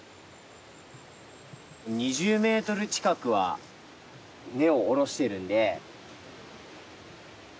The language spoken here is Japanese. ２０メートル近くは根を下ろしてるんで。